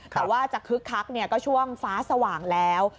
แต่ว่าจะคึกคักก็ช่วงฟ้าสว่างแล้ว